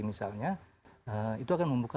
misalnya itu akan membuka